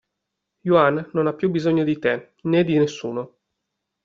Juan non ha più bisogno di te, né di nessuno.